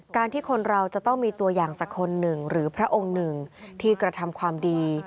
ที่คนเราจะต้องมีตัวอย่างสักคนหนึ่งหรือพระองค์หนึ่งที่กระทำความดี